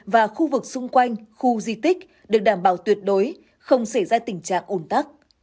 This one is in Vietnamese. và khu vực xung quanh khu di tích được đảm bảo tuyệt đối không xảy ra tình trạng ồn tắc